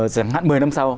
giảm hạn một mươi năm sau